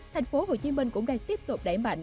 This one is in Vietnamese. thành phố hồ chí minh cũng đang tiếp tục đẩy mạnh